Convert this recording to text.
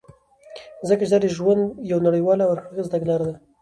ځكه چې دادژوند يو نړيواله او هر اړخيزه تګلاره ده .